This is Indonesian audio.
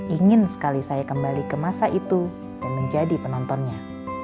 ingin sekali saya kembali ke masa itu dan menjadi penontonnya